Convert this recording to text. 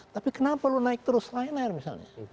tapi kenapa lu naik terus lion air misalnya